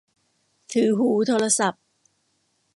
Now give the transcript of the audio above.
ถือหูโทรศัพท์